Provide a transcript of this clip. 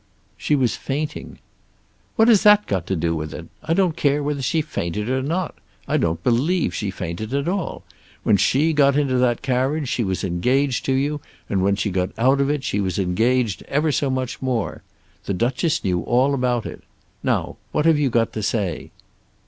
"She was fainting." "What has that to do with it? I don't care whether she fainted or not. I don't believe she fainted at all. When she got into that carriage she was engaged to you, and when she got out of it she was engaged ever so much more. The Duchess knew all about it. Now what have you got to say?"